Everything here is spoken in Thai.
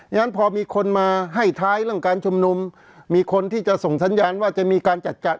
ฉะนั้นพอมีคนมาให้ท้ายเรื่องการชุมนุมมีคนที่จะส่งสัญญาณว่าจะมีการจัดจัด